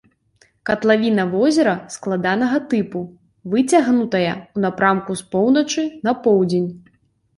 Катлавіна возера складанага тыпу, выцягнутая ў напрамку з поўначы на поўдзень.